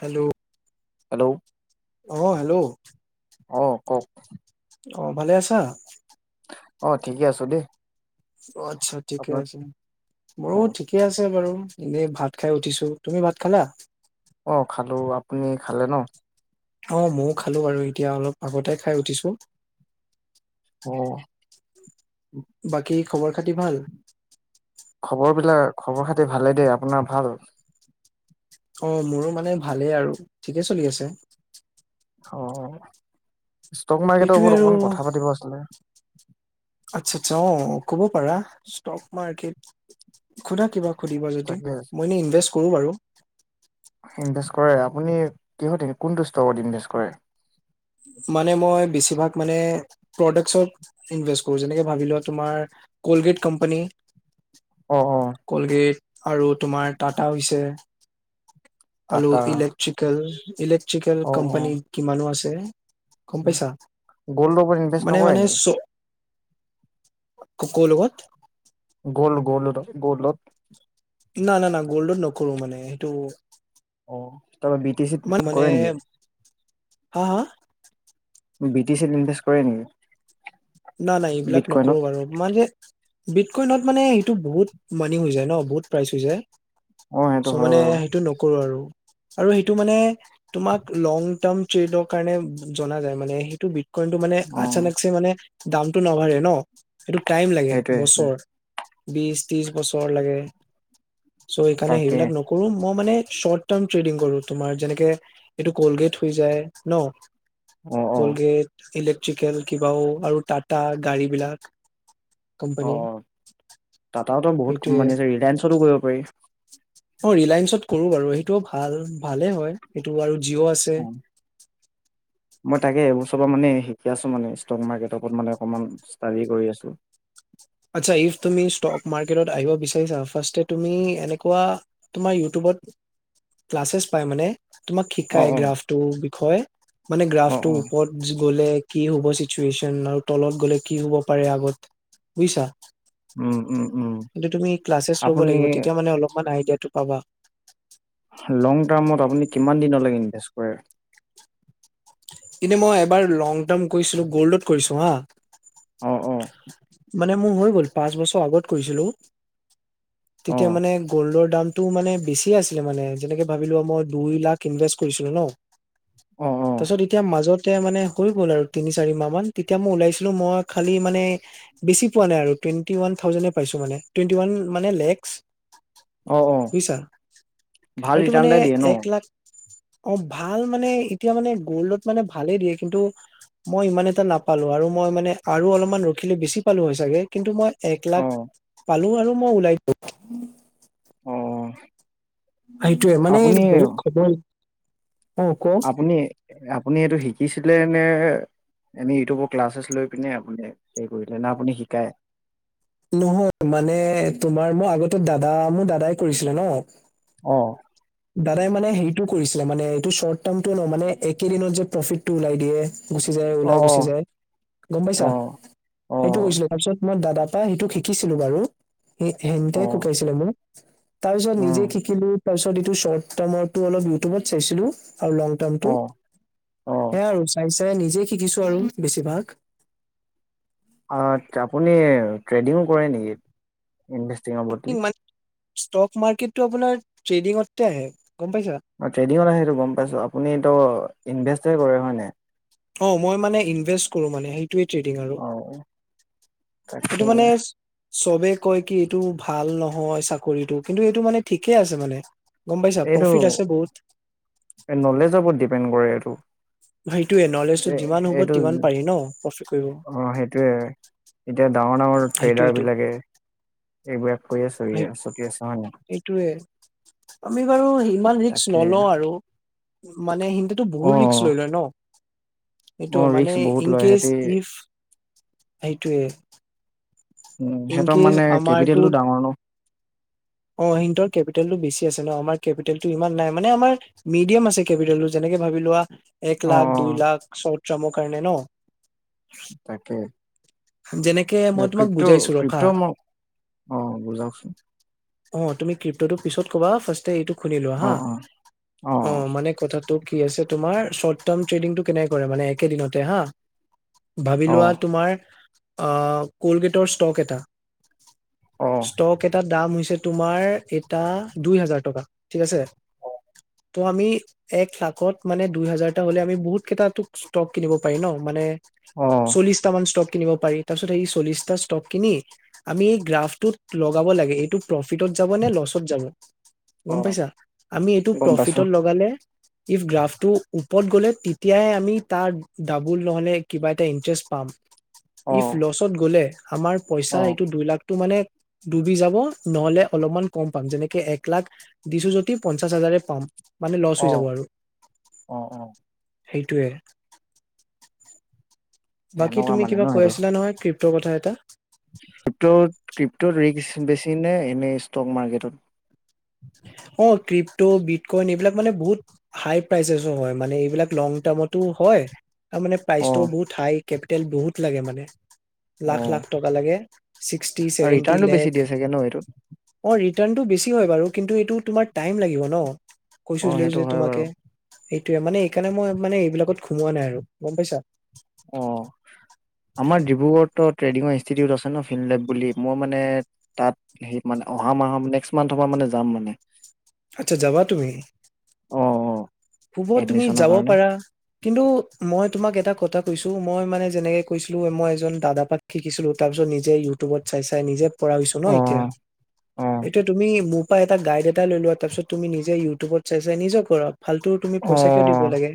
Hello, hello অ' hello, অ কওক অ, ভালে আছা? অ' ঠিকে আছো দেই। আচ্ছা ঠিকে আপোনাৰ আছে মোৰো অ ঠিকে আছে বাৰু। দেই ভাত খাই উঠিছো তুমি ভাত খালা? অ খালো আপুনি খালে ন? অ ময়ো খালোঁ আৰু এতিয়া অলপ আগতে খাই উঠিছোঁ। অ', বাকী খবৰ খাতি ভাল? খবৰ বিলাক খবৰ খাতি ভালেই দেই আপোনাৰ ভাল? অ মোৰো মানে ভালেই আৰু ঠিকে চলি আছে। অ, ষ্টক মাৰ্কেটৰ সেইটোয়ে ওপৰত আৰু অকণমান কথা পাতিব আছিলে। আচ্ছা-আচ্ছা অ ক'ব পাৰা ষ্টক মাৰ্কেট সোধা কিবা? সুধিবা যদি তাকে মই এনেই ইনভেষ্ট কৰো বাৰু। [inaudible] ইনভেষ্ট কৰে আপুনি কিহতে কোনটো ষ্টকত ইনভেছ কৰে। মানে মই বেছি ভাগ মানে প্ৰদাক্স ইনভেষ্ট কৰোঁ যেনে ভাবোৱা তাৰ কলগেট কোম্পানী। অ অ কলগেট, আৰু তোমাৰ টাটা হৈছে। আলু টাটা ইলেক্ট্ৰিকেল, ইলেক ট্ৰিকেল অ অ কম্পেনী কিমানো আছে। তে গ'ল্ডৰ ওপৰত ইনভেষ্ট মানে মানে নকৰে নি? চ ক'ৰ লগত গ'ল-গ'ল-গ'লত না-না-না গ'ল্ডত নকৰো মানে সেইটো অ, তাৰপিছত বি টি চি মান ত মানে কৰে নেকি? হা হা বি টি চত ইনভেষ্ট কৰে নেকি? নাই-নাই এইবিলাক বিট নকৰো কইনত বাৰু মানে। বিত কৈনত মানে। টো বহুত মানি হৈ যায় ন। বহুত পাইছো যে। অ সেইটো চ' হয় মানে বাৰু সেইটো নকৰো আৰু। আৰু সেইটো মানে তোমাক লংটাৰ্ম ট্ৰেডৰ কাৰণে জনা যায় মানে সেইটো কিন্তু মানে অ আচানকছে মানে দামটো নাবাৰঢ়ে ন সেইটো টাইম লাগে সেইটোৱে সেইটোৱে বছৰ বিশ ত্ৰিশ বছৰ ও লাগে চ' সেইকাৰণে তাকে সেইবিলাক নকৰো মই মানে শ্বৰ্ট টাৰ্ম ট্ৰেডিং কৰো তোমাৰ যেনেকে এইটো কলগেট হৈ যায় ন অ অ কলগেট ইলেক্ট্ৰি চিকেন কিবাও আৰু টাটা গাড়ী বিলাক অ কোম্পানী টাটাওতো বহুত সেইটোয়ে কোম্পানী আছে ৰিলায়েন্সতো কৰিব পাৰি অ ৰিলায়েন্সত কৰো বাৰু সেইটোও ভাল ভালে হয় সেইটো আৰু জিঅ' আছে হম মই তাকে এবছ তোমাৰ মানে শিকি আছো মানে ষ্টক মাৰ্কেটৰ ওপৰত মানে অকমান ষ্টাডি কৰি আছো আচ্ছা ইফ তুমি ষ্টক মাৰ্কেটত আহিব বিচাৰিছা ফাষ্টে তুমি এনেকুৱা তোমাৰ ইউটিউবত ক্লাছেছ পায় মানে তোমাক অ', শিকায় অ', গ্ৰাফটোৰ বিষয়ে মানে অ', গ্ৰাফটোৰ অ'। ওপৰত জি গ'লে কি হ'ব সিচুৱেশন আৰু তলত গ'লে কি হ'ব পাৰে আগত বুজিছা উম, উম, উম, কিন্তু তুমি ক্লাছেছ ল'ব আপুনি লাগিব তেতিয়া মানে অলপমান আইডিয়া এটো পাবা লং টাৰ্মত আপুনি কিমান দিনলৈকে ইনভেষ্ট কৰে কিন্তু মই এবাৰ লং টাৰ্ম কৰিছিলো গ'ল্ডত কৰিছো হা অ', অ', [inaudible] মানে মোৰ হৈ গ'ল পাঁচ বছৰ আগত কৰিছিলো তেতিয়া অ', মানে গ'ল্ডৰ দামটো মানে বেছি আছিলে মানে যেনেকে ভাবিলোৱা মই দুই লাখ ইনভেষ্ট কৰিছিলো ন অ', অ', তাপিছত মাজতে মানে হৈ গল আৰু তিনি চাৰি মাহ মান তেতিয়া মই ওলাইছিলো মই খালি মানে বেচি পোৱা নাই আৰু টুয়েন্টি ওয়ান থাউজেন এ পাইছো মানে টুয়েন্টি ওয়ান মানে লেক্স অ', অ', বুজিছা ভাল এইটো ৰিটাৰ্ণ মানে এটা দিয়ে ন? এক লাখ অ ভাল মানে এতিয়া মানে গ'ল্ডত মানে ভালে দিয়ে কিন্তু মই ইমান এটা নাপালো আৰু মই মানে আৰু অলপমান ৰখিলে বেছি পালো হয় চাগে কিন্তু মই এক লাখ অ', পালো আৰু মই ওলাইছো অ সেইটোয়ে মানে আপুনি বহুত খবৰ অ ক আপুনি আপুনি এইটো শিকিছিলে নে এনে ইউটিউবৰ ক্লাছেছ লৈ পিনে আপুনি হেৰি কৰিলে নে আপুনি শিকায় নহয় মানে তোমাৰ মোৰ আগতে দাদা মোৰ দাদাই কৰিছিলে ন আহ দাদাই মানে হেইটো কৰিছিলে মানে এইটো শৰ্ট টাৰ্মটো ন মানে একেদিনত যে প্ৰফিটটো ওলাই দিয়ে গুচি যায় ওলাই অ', গুচি যায় গম অ', পাইছা অ', সেইটো অ'। কৈছিলো তাৰপিছত মই দাদা সেইটো শিকিছিলো বাৰু হেনতে অ', শুকাইছিলে মোক হয় তাৰ পিছত নিজে উম, শিকিলো তাৰপিছত এইটো শৰ্ট টাৰ্মৰটো অলপ ইউটিউবত চাইছিলো আৰু লং টাৰটো অ', অ', স আৰু চাই স নিজেই শিকিছো আৰু বেছিভাগ আ আপুনি ট্ৰেডিঙো কৰে নেকি ইনভেষ্টিঙৰ বদলি ষ্টক মাৰ্কেটটো আপোনাৰ তেডিংত আহে- গম পাইছা? আ নিশ্চয় কৰে হয় নাই অ মই মানে ইনভেষ্ট কৰো মানে সেইটোৱে ট্ৰেডিং আৰু অ', তাকে সটো মানে চবে কয় কি এইটো ভাল নহয় চাকৰিটো কিন্তু এইটো মানে ঠিকে আছে মানে গম পাইছা এইটো প্ৰফিট আছে বহুত নলেজৰ ওৰত ডিপেণ্ড কৰে এইটো সেইটোোৱে নলেজটো এ যিমান এইটো হ'ব িমান পাৰি ন প্ৰফিট অ', সেইটোয়ে কৰিব এতিয়া ডাঙৰ ডাঙৰ ট্ৰেডাৰ সেইটোৱেইটো বিলাকে এইবিলাক কৰিয় চ চটি আছে হয় নে সেইটোয়ে আমি বাৰু ইমান ৰিস্ক নল আৰু মানে সিন্তাতো বহুত ৰিস্ক অ', লৈ লয় ন [inaudible] এইটো অ', মানে ৰিস্ক বহুত লয় ইনকচ সিহঁতি ইফ এইটোৱে উম সিহতৰ মানে কেপিটেলটো ডাঙৰ ন অ সিতৰ কেপিটেলটো বেছি আছে ন আমাৰ কেপিটেলটো ইমান নাই মানে আমাৰ মিডিয়াম আছে কেপিটেলটো যেনেকে ভাবি লোৱা এক অ', লাখ দুই অ', লাখ চ যমকৰণে ন তাকে যেনেকে মই ন তোমাক কৃত বুজাইছো কৃত ৰখা মোক অ বুজাওকচোন অ তুমি ক্ৰিপ্টটো পিত কবা ফাষ্টে এইটো শুনিলো অ', হা অ', অ মানে কথাটোটো কি আছে তোমাৰ শৰ্ট টাৰ্ম ট্ৰেডিংটো কেনেক কৰে মানে একে দিনতে হা ভাবি লোৱা তোমাৰ কলগেটৰ ষ্টক এটা অ', অ', ষ্টক এটা দাম হৈছে তোমাৰ এটা দুই হাজাৰ টকা ঠিক আছে। ত' আমি এক লাখত মানে দুই হাজাৰটা হ'লে আমি বহুত কেইটাটো ষ্টক কিনিব পাৰি ন মানে অ', চল্লিছটামান ষ্টক কিনিব পাৰি তাৰপিছত সেই চল্লিশটা ষ্টক কিনি আমি এই গ্ৰাফটোত লগাব লাগে, এইটো প্ৰফিটত যাব নে ল'ছত যাব। অ গম পাইছা, আমি এইটো গম পাইছো প্ৰফিটত লগালে ইফ গ্ৰাফটো উপৰত গ'লে তেতিয়াই আমি তাৰ ডাবুল নহ'লে কিবা এটা ইন্টাৰেষ্ট পাম। ইফ অ', ল'চত গ'লে আমাৰ পইচা অ', এইটো দুই লাখ টো মানে ডুবি যাব নহ'লে অলপমান কম পাম, যেনেকে এক লাখ দিছো যদি পঞ্চাশ হাজাৰে পাম। মানে লচ হৈ যাব অ', আৰু। অ', অ', সেইটোৱে। বাকী তেনেকুৱা তুমি কিবা কৈ আছিলা নহয় কৃ সেইটো কথা এটা। ক্ৰিপ্তত ক্ৰিপট'ত ৰিস্ক বেছি নে এনেই ষ্টক মাৰ্কেটত অ' ক্ৰিপ্ত বিটকইন এইবিলাক মানে বহুত হাই প্ৰাইচেছো হয় মানে এইবিলাক লং টাৰ্মতো হয় তাৰ মানে প্ৰাইচটোও অ', বহুত হাই কেপিটেল বহুত লাগে মানে। লাখ- অ', লাখ টকা লাগে, ছিক্সটি আৰু ছেভেনটি ৰিটাৰ্ণটো বেছি লেখ। দিয়ে চাগে ন এইটোত অঁ টাৰ্ণটো বেছি হয় বাৰু। কিন্তু এইটো তোমাৰ টাইম লাগিব ন। অ', কৈছিলো সেইটো যে হয় তোমাকে। বাৰু সেইটোৱে মানে এইকাৰণে মই মানে এইবিলাকত সোমোৱা নাই আৰু গম পাইছা। অঁ আমাৰ ডিব্ৰুগড়ত ট্ৰেদিঙৰ ইনস্তিতিউট আছে ন ফিনলেৱ বুলি মই মানে তাত স মানে অহা মাহ নেক্স মান্থৰ মানে যাম মানে। আচ্ছা যাবা তুমি। অ', অ', হ'ব তুমি এডমিশনৰ যাব কাৰণে পাৰা কিন্তু মই তোমাক এটা কথা কৈছো চ' মই মানে যেনেকে কৈছিলো মই এজন দাদাপা শিকিছিলো তাৰপিছত নিজে ইউটিউবত চাই- চাই নিজে পৰা হৈছোঁ ন এতিয়া, অ', অ', এতিয়া তুমি মোক অঁ এটা গাইড এটা লৈ লোৱা তাৰ পিছত তুমি নিজে ইউটিউবত চাই-চাই নিজে কৰা। ফাল্তু তুমি পইচা কিয় দিব অ', লাগে।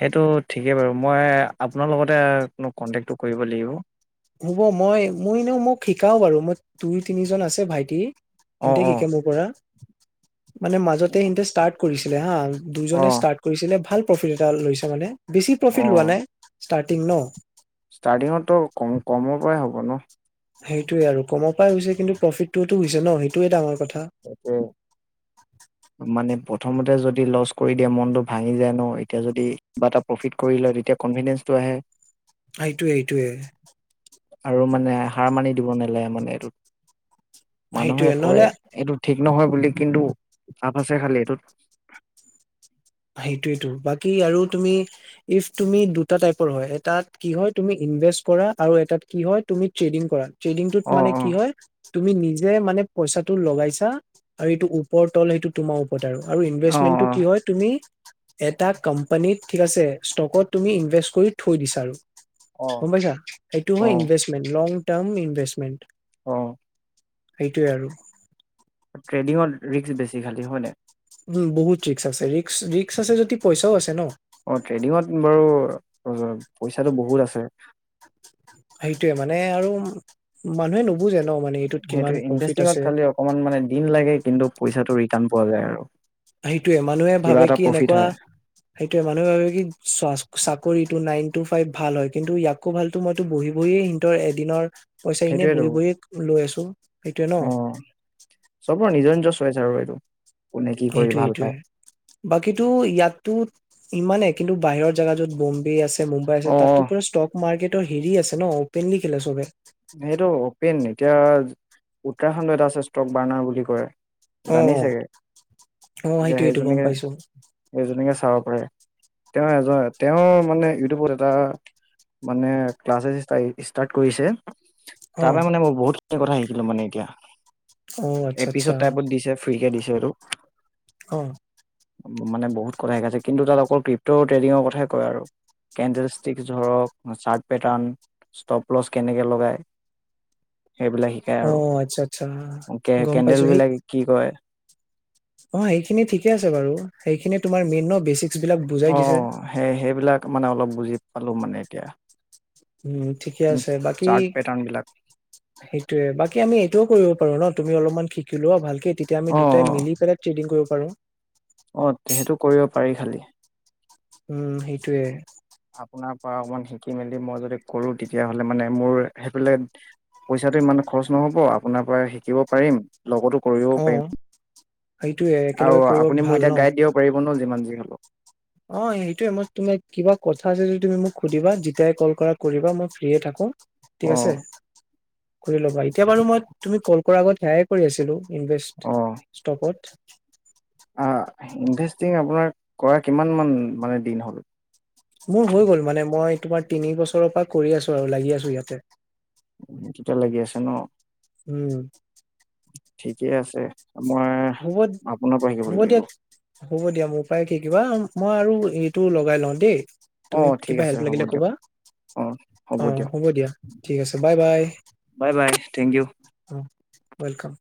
সেইটো ঠিকেই বাৰু মই আপোনাৰ লগতেনো কন্টেক্টো কৰিব লাগিব। হ'ব মই মই এনেও মোক শিকাও বাৰু দুই তিনিজন আছে ভাইটি। অ', সিহঁতে অ', শিকে মোৰ পৰা। মানে মাজতোৰ্ কৰিছিলে হা দুজনে অ', ষ্টাৰ্ট কৰিছিলে ভাল প্ৰফিট এটা লৈছে মানে বেছি প্ৰফিট লোৱা অ', নাই ষ্টাৰ্টিং ন ষ্টাৰ্টিঙতো কম কমৰ পৰাই হ'ব ন সেইটোয়ে আৰু কমৰ পৰাই হৈছে কিন্তু প্ৰফিটটোতো হৈছে ন সেইটোয়ে ডাঙৰ কথা অপৌ মানে প্ৰথমতে যদি লছ কৰি দিয়ে মনতটো ভাঙি যায় ন এতিয়া যদি কিবা এটা প্ৰফিট কৰি লয় তেতিয়া কনফিডেন্ঞ্চটো আহে এইটোৱয়ে এইটোৱে আৰু মানে হাৰ মানি দিব নালাগে মানে এইটোত মানুহে সেইটোয়ে কয় নহ'লে এইটো ঠিক নহয় বুলি কিন্তু আফ আছে খালি এইটোত সেইটোয়টো বাকী আৰু তুমি ইফ তুমি দুটা টাইপৰ হয় এটাত কি হয় তুমি ইনভেষ্ট কৰা আৰু এটাত কি হয় তুমি ট্ৰেডিং কৰা ট্টেডিংটোত অ', মানে কি অ', হয় তুমি নি যে মানে পইচা টো লগাইছা আৰু এইটো ওপৰ তল সেইটো তোমাৰ ওপৰত আৰু ইনভেষ্টমেন্টটো অ', কি হয় এ কোম্পানীত ঠিক আছে ষ্টকত তুমি ইনভেষ্ট কৰি থৈ দিছা অ', গম পাইছা সটো অ', হয় অ', ইনভেমেণ্ট লং টাৰ্ম ইনভেষ্টমেণ্ট সেইটোৱে আৰু ট্ৰেডিঙৰ ৰিক্ক বেছি খালী হয় ন উম বহুত ৰিক্স আছে ৰিক্ ৰিক্ক আছে যদি পইচাও আছে ন অ ট্ৰেডিঙত বাৰু পইচাটো বহুত আছে সেইটোয়ে মানে আৰু মানুহে ন নুবুজে মানে এইটোত কিমান সেইটো প্ৰফিট ইটাৰেষ্টিঙত আছে খালি অকমান মানে দিন লাগে কিন্তু পইচাটো ৰিটাৰ্ণ পোৱা যায় আৰু সেইটোয়ে মানুহে কিবা ভাবে এটা কি প্ৰফিট এনেকুৱা হয় সেইটোয়ে মানুহে ভাবে কি চ চাকৰিত নাইন টু ফাইভ ভাল হয় কিন্তু ইয়াকো ভালতো মইতো বহি বহিয়ে সিহতৰ এদিনৰ পইচা এনেই সেইটোয়েতো বহি বহি লৈ আছো সেইটোৱে ন অ'। চবৰ নিজৰ নিজৰ আৰু এইটো কোনে কি কৰি এইটোোৱে ভাল এইটোৱে পায় বাকীো ইয়াতো ইমানে কিন্তু বাহিৰৰ জেগা যত বম্বে আছে মুম্বাই আছে অ', তাততো পৰা ষ্টক মাৰ্কেট হেৰি আছে ন অপেনলি খেলে চবে সেইটো অপেন এতিয়া। উত্তৰাখণ্ড এটা আছে ষ্টক বাৰ্ণাৰ বুলি কয়। অ জানিছেগে অ এতিয়া সেইটোয়েইটো গম পাইছো সেইজনীকে-সেইজনীকে চাব পাৰে। তেওঁ এজন তেওঁৰ মানে ইউটিউবত এটা মানে ক্লাছেছ ষ্টাৰ্ট কৰিছে। অ তাৰ পৰা মানে মই বহুতখিনি কথা শিকিলো, মানে এতিয়া অ আচ্ছা আচ্ছা এপিছড টাইপত দিছে ফ্ৰীকে দিছে। ভিডিঅ টো অ, মানে বহুত কথা শিকাইছে কিন্তু তাত অকল ক্ৰিপটৰ ট্ৰেডিঙৰ কথাই কয় আৰু কেণ্ডেল ষ্টিক, ধৰক চাৰ্ট পেটাৰ্ন ষ্টপলছ কেনেকে ল ডুবাই সেইবিলাক শিকায় অ', আচ্ছা আচ্ছা আৰু কে গম কেন্দেল পাইছো সেই বিলাক কি কয়। অ সেইখিনি ঠিকে আছে বাৰু সেইখিনি তোমাৰ মেইন বেছিক। অ সেই সেইবিলাক মানে অলপ বুজি পালো মানে এতিয়া উম ঠিকে উম, আছে, বাকী চাৰ্ট পেটাৰ্ণ বিলাক সেইটোয়ে বাকী আমি এইটোও কৰিব পাৰো ন। তুমি অলপমান শিকিলোৱা ভালকে। তেতিয়া আমি অ দুটাই অ মিলি পেলাই ট্ৰেডিং কৰিব পাৰো। অ সেইটো কৰিব পাৰি খালি। উম' সেইটোৱে। আপোনাৰ পৰা অকমান শিকি মেলি মই যদি কৰো তেতিয়াাহলে মানে মোৰ সেইফালে পইচাটো ইমান খৰচ নহব আপোনাৰ পৰা শিকিব পাৰিম। লগতো কৰিব অ', সেইটোয়ে পাৰিম একেলগে আৰু কৰিব আপুনি মোক ভাল ন এতিয়া গাইড দিব পাৰিব ন। যিমান যি হলো। অ' সেইটোয়ে মই তুমাৰ কিবা কথা আছে যদি তুমি মোক সুধিবা যেতিযায় কল কৰা কৰিবা মই ফ্ৰীয়ে থাকো। ঠিক অ আছে। কৰি ল'বা এতিয়া বাৰু মই তুমি কল কৰাৰ আগত সেয়ে কৰি আছিলো। ইনভেষ্ট ষ্টকত এক [inaudible] আহ ইনভেষ্টিং আপোনাৰ কৰা কিমানামান মানে দিন হ'ল। মোৰ হৈ গ'ল মানে মই। তোমাৰ তিনি বছৰৰ পৰা কৰি আছো আৰু লাগি আছো ইয়াতে। এইতোতে লাগি আছে ন। উম, ঠিকেই আছে। মই আপোনাৰ পৰা শিকিব হ'ব-হ'ব লাগিব দিয়া, হ'ব দিয়া মোৰ পৰা শিকিবা। মই আৰু এইটো লগাই লওঁ দেই। অ তুমি ঠিক কিবা আছে হেল্প হ'ব লাগিলে দিয়ক ক'বা অ অ' দিয়ক হ'ব দিয়া ঠিক আছে bye bye bye bye thank you অ। ৱেলকাম